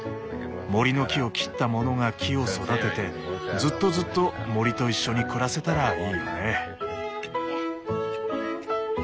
森の木を切った者が木を育ててずっとずっと森と一緒に暮らせたらいいよね。